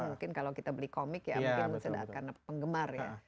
mungkin kalau kita beli komik ya mungkin sederhana penggemar ya